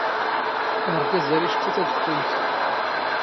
ⴰⵔⴳⴰⵣ ⴰⵔ ⵉⵛⵜⵜⴰ ⵜⴰⴷⴼⴼⵓⵢⵜ.